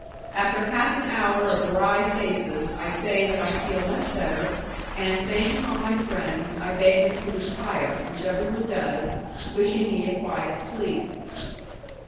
After half an hour of wry faces, I say that I feel much better, and thanking all my friends, I beg them to retire, which everyone does, wishing me a quiet sleep.